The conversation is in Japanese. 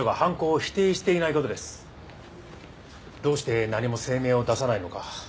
どうして何も声明を出さないのか。